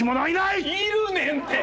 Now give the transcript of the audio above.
いるねんて！